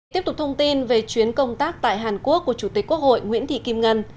tiếp tục thông tin về chuyến công tác tại hàn quốc của chủ tịch quốc hội nguyễn thị kim ngân